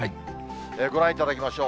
ご覧いただきましょう。